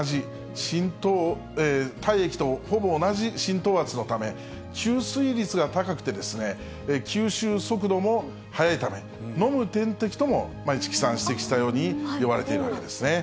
体液とほぼ同じ浸透圧のため、吸水率が高くて、吸収速度も速いため、飲む点滴とも、市來さん指摘したように、いわれているわけですね。